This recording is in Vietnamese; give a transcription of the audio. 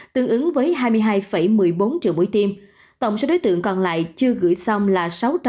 tương ứng với hai mươi hai một mươi bốn triệu mũi tiêm tổng số đối tượng còn lại chưa gửi xong là sáu trăm năm mươi tám chín trăm năm mươi năm